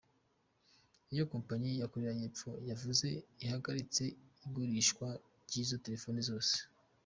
Iyo kompanyi ya Korea y’epfo yavuze ihagaritse igurishwa ry’izo telefone zose.